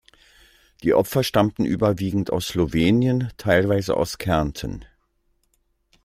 Die Opfer stammten überwiegend aus Slowenien, teilweise aus Kärnten.